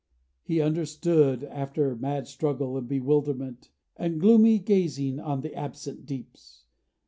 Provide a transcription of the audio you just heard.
He understood After mad struggle and bewilderment, And gloomy gazing on the absent deeps.